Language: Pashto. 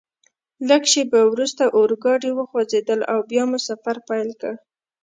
لږ شیبه وروسته اورګاډي وخوځېدل او بیا مو سفر پیل کړ.